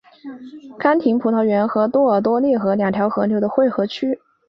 康廷葡萄园和多尔多涅河两条河流的汇合区。